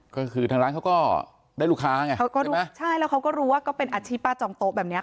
ก็คือทางร้านเขาก็ได้ลูกค้าไงเขาก็รู้ใช่แล้วเขาก็รู้ว่าก็เป็นอาชีพป้าจองโต๊ะแบบเนี้ย